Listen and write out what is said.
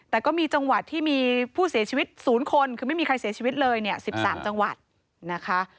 แต่ก็มีจังหวัดที่มีผู้เสียชีวิต๐คนคือไม่มีใครเสียชีวิตเลยเนี่ย๑๓จังหวัดนะคะ